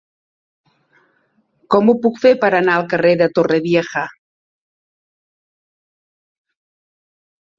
Com ho puc fer per anar al carrer de Torrevieja?